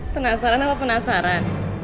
penasaran apa penasaran